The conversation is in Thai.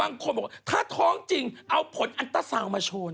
บางคนบอกว่าถ้าท้องจริงเอาผลอันต้าซาวน์มาโชว์นะ